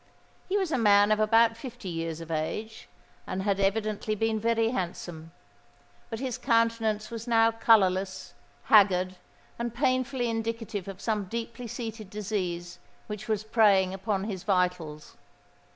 He was a man of about fifty years of age, and had evidently been very handsome. But his countenance was now colourless, haggard, and painfully indicative of some deeply seated disease which was preying upon his vitals.